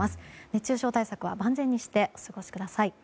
熱中症対策は万全にしてお過ごしください。